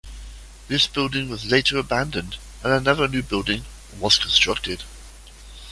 This building was later abandoned and another new building was constructed.